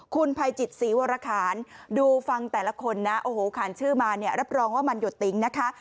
คุณภัยจิตศรีวรคารดูฟังแต่ละคนนะโอ้โหขานชื่อมาเนี่ยรับรองว่ามันหยุดติ๊งนะคะ